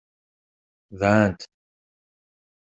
Dɛant.